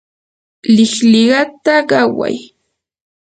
liqliqata qaway